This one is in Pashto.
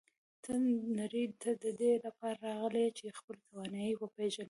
ته نړۍ ته د دې لپاره راغلی یې چې خپلې توانایی وپېژنې.